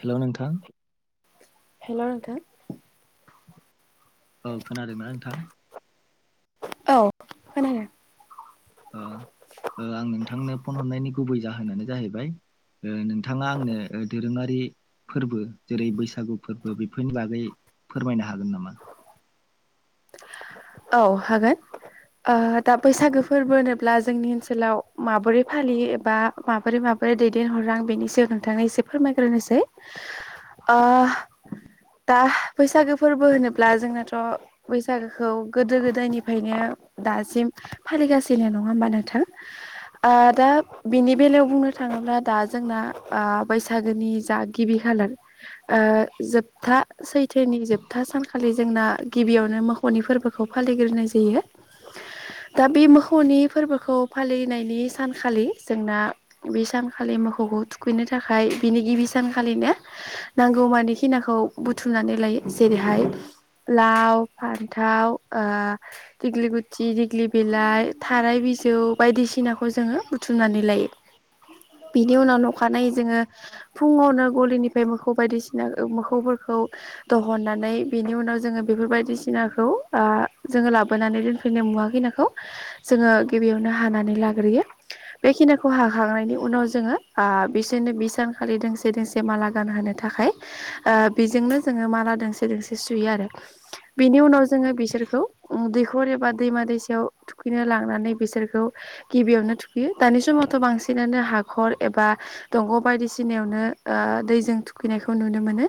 Hello नोंथां hello नोंथां औ खोनादोंमोन नोंथां औ खोनादों आं नोंथांनो फन हरनायनि गुबै जाहोनानो जाहैबाय नोंथाङा आंनो दोरोङारि फोरबो जेरै बैसागु फोरबो बेफोरनि बागै फोरमायनो हागोन नामा औ हागोन ओ दा बैसागो फोरबो होनोब्ला जोंनि ओनसोलाव माबोरै फालियो एबा माबोरै माबा र दैदेनहरां बेनि सायाव नोंथांनो एसे फोरमायग्रोनोसै ओ दा बैसागो फोरबो होनोब्ला जोंनाथ' बैसागोखौ गोदो गोदायनिफ्रायनो दासिम फालिगासिनो नङा होमबा नोंथां ओ दा बेनि बेलायाव बुंनो थाङोब्ला दा जोंना बैसागोनि जा गिबि ओ जोबथा सैथोनि जोबथा सानखालि जोंना गिबियावनो मोसौनि फोरबो बेखौ फालिग्रोनाय जायो। दा बे मोसौनि फोरबोखौ फालिनायनि सानखालि जोंना बे सानखालि बे मोखौखौ थुखैनो थाखाय बिनि गिबि सानखालिनो नांगौ मानि खिनाखौ बुथुमनानै लायो जेरैहाय लाव फान्थाव ओ दिग्लि गुथि देग्लि बिलाइ थाराय बिजौ बायदिसिनाखौ खौ जोङो बुथुमनानै लायो। बिनि उनाव अखानायै जोङो फुङावनो गलिनि ओमफ्राय मोखौ बायदिसिना मोखौफोरखौ दहननानै बेनि उनाव जोङो बेफोर बायदिसिनाखौ ओ जोङो लाबोनानै दोनफैननाय मुवाखिनिखौ जोङो गिबियावनो हानानै लाग्रोयो बेखिनिखौ हाखांनायनि उनाव जोङो ओ बिसोरनो बि सानखालि दोंसे दोंसे माला गानहोनो थाखाय थाखाय ओ बेजोंनो जोङो माला दोंसे दोंसे सुयो आरो बिनि उनाव जों जोंङो बिसोरखौ दै खर एबा दैमा दैसायाव थुखैनो लांनानै बिसोरखौ गिबियावनो थुखैयो दानि समावथ' बांसिन बिदिनो हाखर एबा दंग' बायदिसिनायावनो ओ दैजों थुखैनायखौ नुनो मोनो।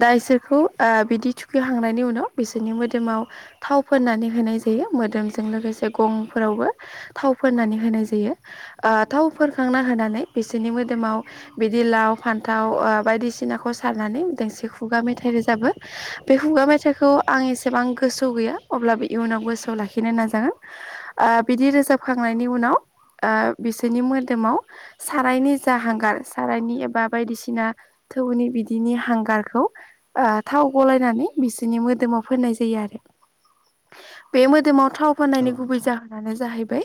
दा इसोरखौ बिदि थुखैहांनायनि उनाव खौ बिसोरनि मोदोमाव थाव फोननानै होनाय जायो मोदोमजों लोगोसे गंफोरावबो थाव फोननानै होनाय जायो ओ थाव फोनखांना होनानै बिसोरनि मोदोमाव बिदि लाव फानथाव ओ बायदिसिनाखौ सनानै दोंसे खुगा मेथाइ रोजाबो बे खुगा मेथाइ खौ आं इसेबां गोसोआव गैया अब्लाबो इयुनाव गोसोआव लाखिनो नाजागोन ओ बिदि रोजाब होखांनायनि उनाव ओ बिसोरनि मोदोमाव सारायनि जा हांगार सारायनि एबा बायदिसिना थौनि बिदिनि हांगारखौ थाव ओ गलायनानै बिनि मोदोमाव फोननाय जायो आरो। बे मोदोमाव थाव औ फोननायनि गुबै नोंथां जाहोनानो जाहैबाय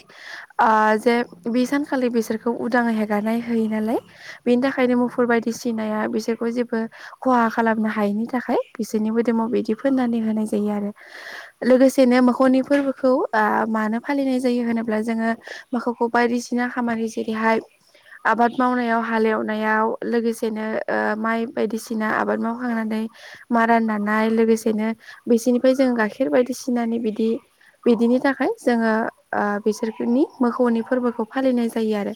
ओ जे बे सानखालि बिसोरखौ उदाङै हेगारनाय होयो नालाय, बेनि थाखायनो फोर बायदि सिनाया बिसोरखौ जेबो खहा खालामनो हायैनि थाखाय बिसोरनि मोदोमाव बिदि फोननानै होनाय जायो आरो। लोगोसेनो बे मोखौनि फोरबोखौ मानो फालिनाय जायो होनोब्ला जोङो माखौखौ बायदिसिना खामानि जेरैहाय आबाद मावनायाव हाल एवनायाव लोगोसेनो ओ माइ बायदिसिना आबाद मावखांनानै मारा नानाय लोगोसेनो बिसोरनिफ्राय जों गाइखेर बायदिसिनानै बिदि बिदिनि थाखाय जोङो ओ बिसोरनि मोखौनि फोरबोखौ फालिनाय जायो आरो।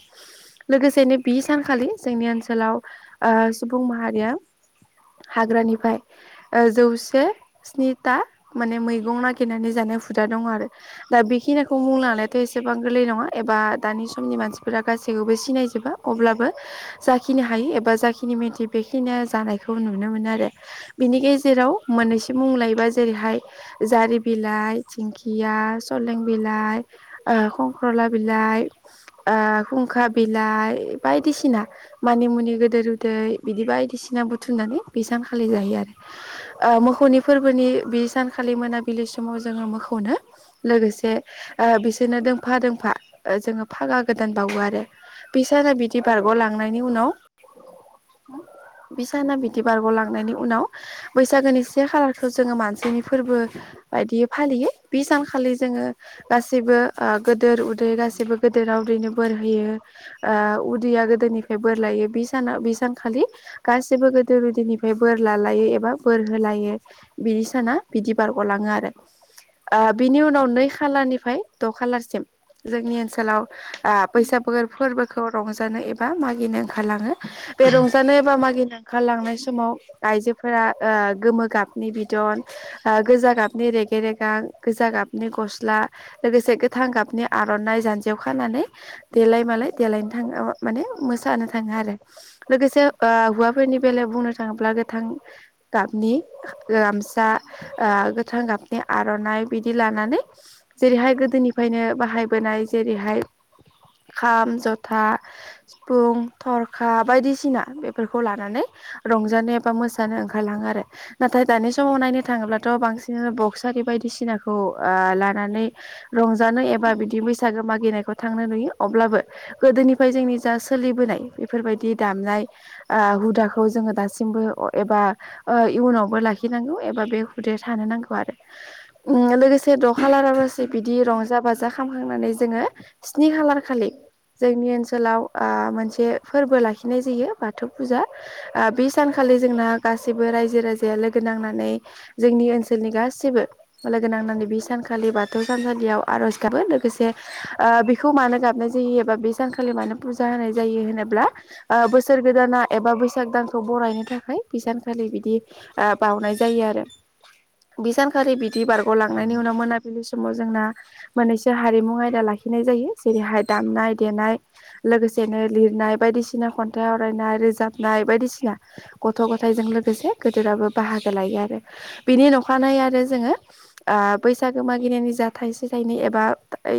लोगोसेनो बि सानखालि जोंनि ओनसोलाव ओ सुबुं माहारिया हाग्रानिफ्राय ओ जौसे स्निथा माने मैगं नागिरनानै जानाय हुदा दङ आरो दा बेखिनिखौ मुं लांनाय थायो एसेबां गोरलै नङा एबा दानि समनि मानसिफोरा गासैखौबो सिनायजोबा अब्लाबो जाखिनो हा फाय एबा जाखिनि मेथि फेखिना जानायखौ नुनो मोन आरो बिनि गेजेराव मोनै मुं लायोबा जेरैहाय जारि बिलाइ, दिंखिया, सलें बिलाइ ओ खंख्रला बिलाइ ओ खुंखा बिलाइ बायदिसिना मानि मुनि गोदेर उन्दै बिदि बायदिसिना बुथुमनानै बे सानखालि जायो आरो। ओ मोखौनि फोरबोनि बे सानखालि मोनाबिलि समाव जोङो मोखौनो लोगोसे ओ बिसोरनो दोंफा दोंफा जोङो फागा गोदान बावो आरो। बै साना बिदि बारगआव लांनायनि उनाव बिसाना बिदि बारग'लांनायनि उनाव बैसागोनि से खालार खौ जोङो मानसिनि फोरबो बायदियै फालियो बे सानखालि जोङो गासैबो ओ गोदोर उदै गासिबो गोदोराव उदैनो बोर होयो, ओ उदैया गोदोनिफ्राय बोर लायो। बि सानाव बि सानखालि गासिबो गोदो गोदोरनिफ्राय बोर लालायो एबा बोर होलायो। बिनि साना बिदि बारग' लाङो आरो। ओ बिनि उनाव नै खालारनिफ्राय द' खालारसिम जोंनि ओनसोलाव आ बैसाग फोरबोखौ रंजानो एबा मागिनो ओंखारलाङो बे रंजानो एबा मागिनो ओंखारलांनाय समाव आइजोफोरा ओ गोमो गाब नि बिदन, ओ गोजा गाबनि रेगे रेगां, गोजा गाबनि गस्ला लोगोसे गोथां गोथां गाबनि आर'नाइ जानजियाव खानानै देलाय मालाय देलायनो थाङो माने मोसानो थाङो आरो। लोगोसे हौवाफोरनि बेलायाव बुंनो थाङोब्ला गोथां गाबनि गामसा ओ गोथां गाबनि आर'नाइ बिदि लानानै जेरैहाय गोदोनिफाय नो बाहायबोनाय जेरैहाय खाम, जथा, सिफुं, थरखा बायदिसिना बेफोरखौ लानानै रंजानो एबा मोसानो ओंखारलाङो आरो। नाथाय दानि समाव नायनो थाङोब्लाथ' बांसिनानो बक्सारि बायदिसिनाखौ ओ लानानै रंजानो एबा बिदि बैसागो मा गिनायखौ थांनो नुयो अब्लाबो गोदोनिफ्राय जोंनि जा सोलिबोनाय बेफोरबायदि दामनाय ओ हुदाखौ जोङो दासिमबो एबा इयुनावबो लाखि लाखिनांगौ एबा बे हुदाया थानो नांगौ आरो। लोगोसे द' खालाराासै बिदि रंजा बाजा खखांनानै जोङो स्नि खालार खालि जोंनि ओनसो ओनोलाव ओ मोनसे फोरबो लाखिनाय जायो बाथौ ओ फुजा बे सानखालि जोंना गा गासिबो रायजो राजाया लोगो गोनांनानै जोंनि ओनसोलनि गासिबो लगोनांनानै बे सानखालि बाथौ सानसालियाव आर'ज गाबो लोगोसे ओ बेखौ मानो गाबनाय जायो एबा बे सानखालि मानो फुजा होनाय जायो होनोबा ब्ला ओ बोसोर गोदाना एबा बैसाग दानखौ बरायनो थाखाय बिानखालि बिदि ओ बावनाय जायो आरो। बिसानखारि बि दि बारग' औ लांनायनि उनाव नोंथां मोनाबिलि समाव जोंना मोननैसो हारिमु आयदा लाखिनाय जायो जेरैहाय दामनाय देनाय लोगोसेनो लिरनाय बायदिसिना खन्थाइ आवरायनाय रोजाबनाय बायदिसिना गथ' गथाय जों लोगोसे गोदोराबो बाहागो लायो आरो। बिनि नंखानायै आरो जोङो बैसागो मागिनायनि जा थाइसे थाइनै एबा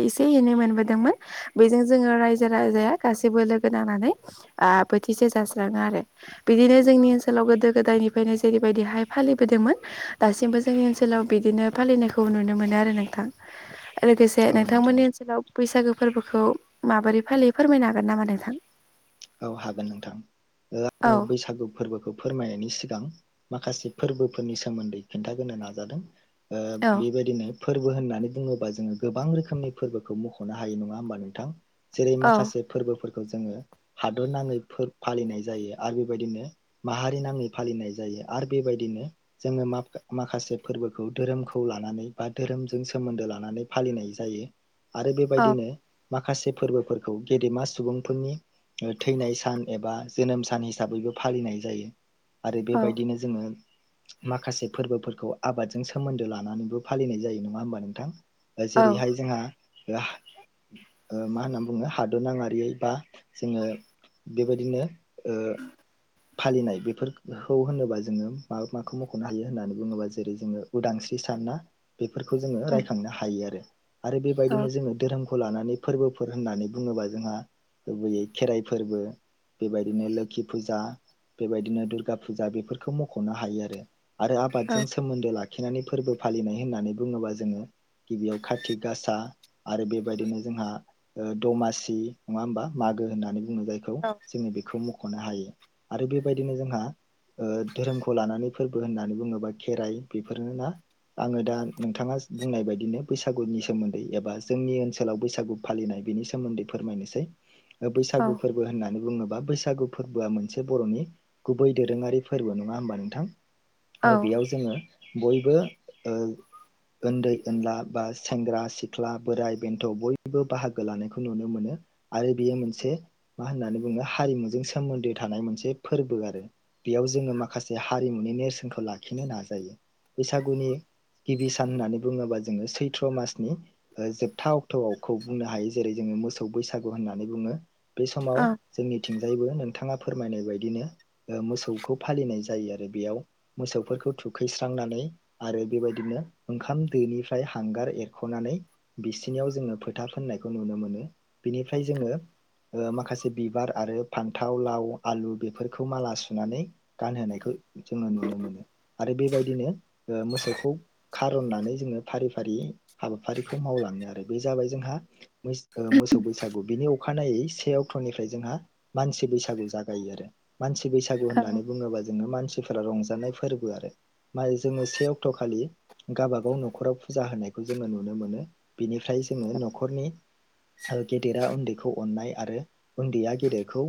एसे एनै मोनबोदोंमोन बेजों जोङो रायजो राजाया गासैबो लोगो नानानै माने ओ बोथिसे जास्राङो आरो। बिदिनो जोंनि ओनोलाव गोदायनिनो जेरै बायदिहाय फालिबोदोंमोन दासिमबो जोंनि ओनसोलाव बिदिनो फालिनायखौ नुनो मोनो आरो नोंथां। लोगोसे औ नोंथां नोंथांमोननि ओनसोलाव बैसागो फोरबोखौ माबोरै फालि फोरमायनो हागोन नामा नोंथां? औ हागोन नोंथां। ओ औ आङो बैसागो फोरबोखौ फोरमायनायनि सिगां माखासे फोरबोफोरनि सोमोन्दै खिन्थागोनो नाजादों। औ ओ बेबायदिनो फोरबो होननानै बुङोबा जोङो गोबां रोखोमनि फोरबोखौ मख'नो हायो नङा होमबा नोंथां? जेरै औ माखासे फोरबोफोरखौ जोङो हादर नाङै फो फालिनाय जायो आरो बेबायदिनो माहारि नाङै फालिनाय जायो आरो बेबायदिनो नो जोङो माखासे फोरबोखौ धोरोमखौ लानानै बा धोरोमजों सोमोन्दो लानानै फालि नाय जायो आरो औ बेबायदिनो माखासे फोरबोफोरखौ गेदेमा सुबुंफोरनि ओ थैनाय सान एबा जोनोम सान हिसाबैबो फालिनाय जायो। आरो औ बेबायदिनो जोङो माखासे फोरबोफोरखौ आबादजों सोमोन्दो लानानैबो फालिनाय जायो नङा होमबा नोंथां? ओ औ जेरैहाय जोंहा ओहा ओ मा होनना बुङो हादर नाङारियै बा जोङो बेबायदिनो ओ फालिनाय बेफोरखौ होनोबा जोङो मा माखौ मख'नो हायो होननानै बुङोबा जेरै जोङो उदां स्रि सान ना, बेफोरखौ जोङो रायखांनो हायो आरो। आरो औ बेबायदिनो जोङो धोरोम खौ लानानै फोरबोफोर होननानै बुङोबा जोंहा गुबैयै खेराइ फोरबो बेबायदिनो लोखि फुजा, बेबायदिनो दुर्गा फुजा बेफोरखौ मख'नो हायो आरो। आरो आबादजों सोमोन्दो लाखिनानै फोरबो फालिनाय होननानै बुङोबा जोङो गिबियाव कारति गासा आरो बेबायदिनो जोंहा ओ दमासि नङा होमबा? मागो होननानै बुङो जायखौ औ जोङो बेखौ मख'नो हायो आरो बेबायदिनो जोंहा ओ धोरोमखौ लानानै फोरबो होननानै बुङोबा खेराइ बेफोरनो ना? आङो दा नोंथाङा बुंनाय बायदिनो बैसागुनि सोमोन्दै एबा जोंनि ओनसोलाव बैसागु फालिनाय बिनि सोमोन्दै फोरमायनोसै। ओ औ बैसागु फोरबो होननानै बुङो बा बैसागु फोरबोआ मोनसे बर'नि गुबै दोरोङारि फोरबो नङा होमबा नोंथां? औ ओ बेयाव जोङो बयबो ओ ओन्दै ओनला बा सेंग्रा सिख्ला, बोराय बेन्थ बयबो बाहागो लानायखौ नुनो मोनो। आरो बेयो मोनसे मा होननानै बुङो हारिमुजों सोमोन्दो थानाय मोनसे फोरबो आरो। बेयाव जोङो माखासे हारिमुनि नेरसोनखौ लाखिनो नाजायो। बैसागुनि गिबि सान होननानै बुङोबा जोङो सैथ्र' मासनि जोबथा अक्टआवखौ बुंनो हायो। जेरै जों मोसौ बैसागु होननानै बुङो। बे समाव औ जोंनिथिंजायबो नोंथाङा फोरमायनाय बायदिनो ओ मोसौखौ फालिनाय जायो आरो। बेयाव मोसौफोरखौ थुखैस्रांनानै आरो बेबायदिनो ओंखाम दोनिफ्राय हांगार एरख'नानै बिसिनियाव जोङो फोथा फोननायखौ नुनो मोनो। बिनिफ्राय जोङो ओ माखासे बिबार आरो फान्थाव, लाव, आलु बेफोरखौ माला सुनानै गानहोनायखौ जोङो नुनो मोनो आरो बेबायदिनो ओ मोसौखौ खारननानै जोङो फारि फारि रि हाबाफारिखौ आरो बे जाबाय जोंहा मैस ओ मोसौ बिनि अखानायै से अक्टनिफ्राय जोंहा मानसि बैसागु जागायो आरो। मानसि बैसागु होननानै बुङोबा जोङो मानसि बोला रंजानाय फोरबो आरो। मा जोङो से अक्ट खालि गावाबागाव न'खराव फुजा होनायखौ जोङो नुनो मोनो। बिनिफ्राय जोङो न'खरनि ओ गेदेरा उन्दैखौ अननाय आरो उन्दैया गेदेरखौ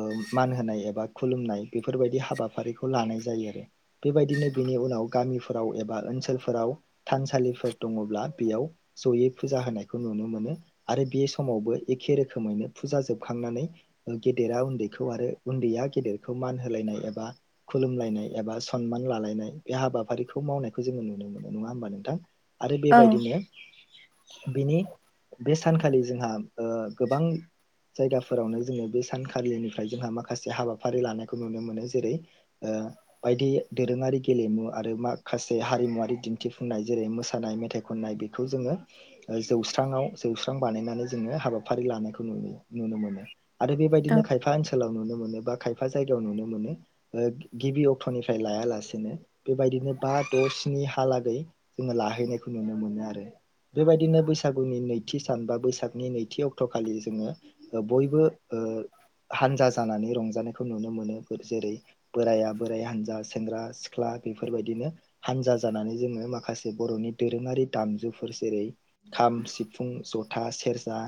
ओ मान होनाय एबा खुलुमनाय बेफोरबायदि हाबाफारिखौ लानाय जायो आरो बेबायदिनो बिनि। नि उनाव गामिफोराव एबा ओनसोलफोराव थानसालिफोर दङब्ला बेयाव जयै फुजा हो। नायखौ नुनो मोनो। आरो बे समावबो एखे रोखोमैनो फुजा जोबखांनानै गेदेरा उन्दैखौ आरो उन्दैया। गेदिरखौ मान होलायनाय एबा खुलुमलायनाय एबा सनमान लालायनाय बे हाबाफारिखौ मावनायखौ। जों नुनो मोन नङा होनबा नोंथां आरो बेबायदिनोनि बिनि। बे सानखालि जोंहा ओ गोबां। जायगाफोरावनो जोङो बे सानखालिनिफ्राय जोंहा माखासे हाबाफारि लानायखौ नुनो मोनो जेरै ओ ओ बायदि दोरोङारि गेलेमु आरो माखासे हारिमुवारि दिन्थिफुंनाय जेरै मोसानाय मेथाइ। खननाय बेखौ जोङो जौस्राङाव। जौस्रां बानायनानै जोङो हाबाफारि लानायखौ नुनो -नुनो मोनो आरो बेबायदिनो खायफा ओनसोलाव नुनो। मोनो बा खायफा जायगायाव नुनो मोनो ओ गिबि अक्टनिफ्राय लाया लासेनो बेबायदिनो बा। द' स्नि हालागै जोङो लाहैनायखौ नुनो मोनो आरो बेबायदिनो बैसागुनि नैथि सान बा बैसागनि नैथि अक्टखालि जोङो बयबो ओ। हानजा जानानै रंजानायखौ नुनो मोनो बो जेरै बोराया बोराइ हानजा सेंग्रा सिख्ला। बेफोरबायदिनो हानजा जानानै जोङो माखासे बर'नि दोरोङारि दामजुफोर जेरै। खाम सि फुं जथा सेरजा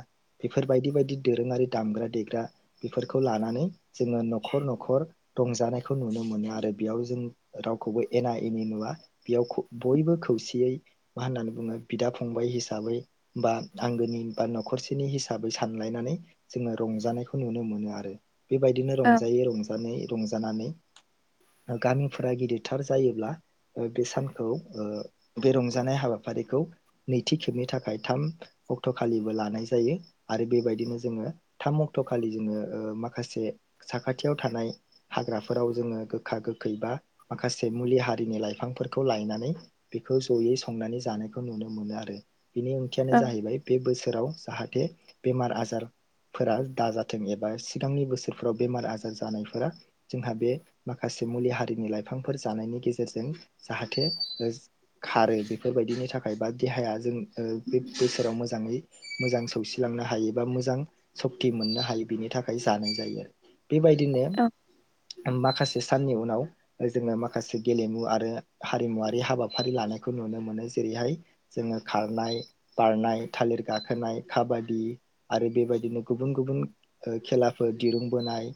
बेफोरबायायदि बायदि दोरोङारि दामग्रा देग्रा बेफोरखौ लानानै। जोङो नखर नखर रंजानायखौ नुनो मोनो आरो बेयाव जों रावखौबो एना- एनि नुवा बेयाव बयबो खौसेयै मा होननानै बुङो बिदा फंबाय हिसाबै बा आंगोनि बा न'खरसेनि हिसाबै सानलायनानै जोङो रंजानायखौ नुनो मोनो आरो। बेबायदिनो रंजायै रंजायै रंजानानै। गामिफोरा गिदिरथार जायोब्ला बे सानखौ बे रंजानाय हाबाफारिखौ नैथि खेबनि थाखाय थाम अक्ट' खालिबो लानाय जायो आरो बेबायदिनो जोङो थाम अक्ट' खालि जोङो ओ माखासे साखाथियाव थानाय हाग्राफोराव जोङो गोखा- गोखै बा माखासे मुलि हारिनि लाइफांफोरखौ लायनानै जयै संनानै जानायखौ नुनो मोनो आरो बिनि औ ओंथियानो जाहैबाय बे बोसोराव जाहाथे बेमार आजार फोर दाजाथों एबा सिगांनि बोसोरफोराव बेमार आजार जानायफोरा जोंहा बे माखासे मुलि हारिनि लाइफांफोर जानायनि गेजेरजों जाहाथे खारो बेफोरबायदिनि थाखाय बा देहाया जों ओ बे बोसोराव मोजाङै मोजां सौसिलांनो हायो बा मोजां सक्ति मोननो हायो बिनि थाखायो जानाय जायो। बेबायदिनो औ माखासे साननि उनाव जोङो माखासे गेलेमु आरो हारिमुवारि हाबाफारि लानायखौ नुनो मोनो। जेरैहाय जोङो खारनाय। बारनाय, थालिर गाखोनाय, काबादि आरो बेबायदिनो गुबुन गुबुन खेलाफोर दिरुंबोनाय,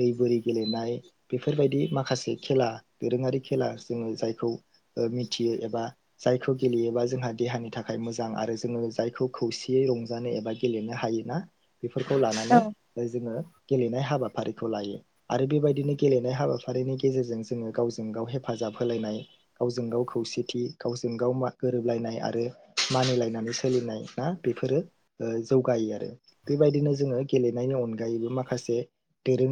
दै बोरि गेलेनाय बेफोरबायदि माखासे खेला दोरोङारि खेला जोङो जायखौ मिथियो एबा जायखौ गेलेयोबा जोंहा देहानि थाखाय मोजां आरो जोङो जायखौ खौसेयै रंजानो एबा गेलेनो हायोना बेफोरखौ औ लानानै जोङो गेलेनाय हाबाफारिखौ लायो। आरो बेबायदिनो गेलेनाय हाबाफारिनि गेजेरजों जोङो गावजों गाव हेफा जाब होलायनाय गावजों गाव खौसेथि गावजों गाव गोरोबलायनाय आरो मानिलायनानै सोलिनाय ना बेफोरो जौगायो। आरो बेबायदिनो जोङो गेलेनायनि अनगायैबो माखासे धोरोमारि